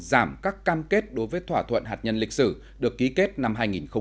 giảm các cam kết đối với thỏa thuận hạt nhân lịch sử được ký kết năm hai nghìn một mươi năm